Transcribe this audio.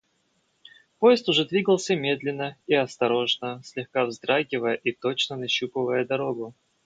Поезд уже двигался медленно и осторожно, слегка вздрагивая и точно нащупывая дорогу.